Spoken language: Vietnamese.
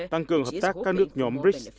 tăng cường hợp tác các nước nhóm brics